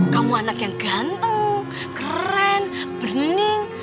kamu anak yang ganteng keren berning